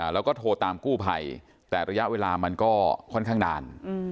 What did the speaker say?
แล้วก็โทรตามกู้ภัยแต่ระยะเวลามันก็ค่อนข้างนาน